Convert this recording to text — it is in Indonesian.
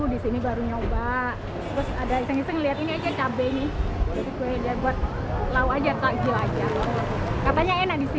disini baru nyoba